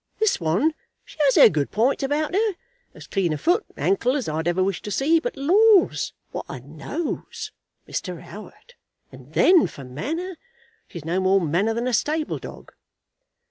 This one, she has her good p'ints about her, as clean a foot and ankle as I'd wish to see; but, laws, what a nose, Mr. 'Oward! And then for manner; she's no more manner than a stable dog."